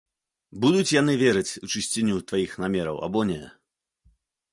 Будуць яны верыць у чысціню тваіх намераў або не?